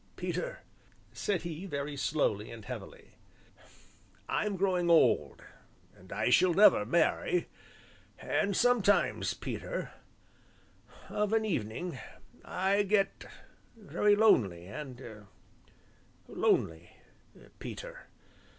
"Peter," said he, very slowly and heavily, "I'm growing old and I shall never marry and sometimes, Peter, of an evening I get very lonely and lonely, Peter."